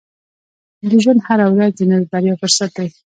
• د ژوند هره ورځ د نوې بریا فرصت دی.